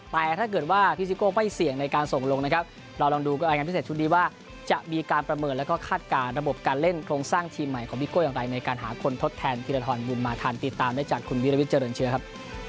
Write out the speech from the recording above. แต่ถ้าเกิดว่าพี่ซิโก้ไม่เสี่ยงในการส่งลงนะครับเราลองดูก็รายงานพิเศษชุดนี้ว่าจะมีการประเมินแล้วก็คาดการณ์ระบบการเล่นโครงสร้างทีมใหม่ของพี่โก้อย่างไรในการหาคนทดแทนธีรทรบุญมาทันติดตามได้จากคุณวิรวิทย์เจริญเชื้อครับ